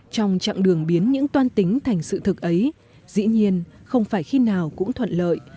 trong chặng đường biến những toan tính thành sự thực ấy dĩ nhiên không phải khi nào cũng thuận lợi